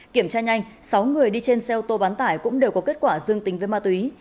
kiểm tra nhanh sáu người đi trên xe ô tô bán tải cũng đều có kết quả dương tính với ma túy